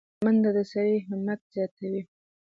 منډه د سړي همت زیاتوي